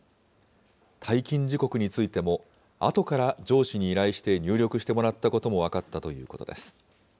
退勤時刻についても、あとから上司に依頼して入力してもらったことも分かったということです。